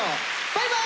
バイバイ！